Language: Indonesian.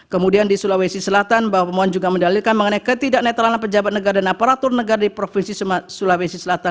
kemudian di sulawesi selatan bahwa pemohon juga mendalilkan mengenai ketidak netralan pejabat negara dan aparatur negara di provinsi sulawesi selatan